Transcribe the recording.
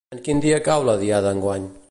En quin dia cau la diada enguany?